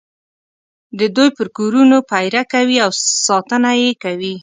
د دوی پر کورونو پېره کوي او ساتنه یې کوي.